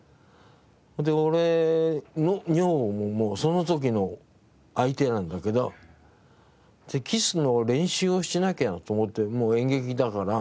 それで俺の女房もその時の相手なんだけどキスの練習をしなきゃと思って演劇だから。